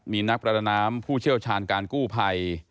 มีนักประดาน้ำผู้เชี่ยวชาญการกู้ภัย